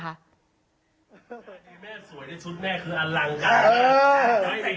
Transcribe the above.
ฉันนี่แม่สวยที่ชุดแม่คืออัลหลังความรัก